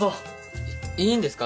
いいんですか？